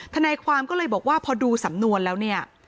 ทนายความก็เลยบอกว่าพอดูสำนวนแล้วเนี่ย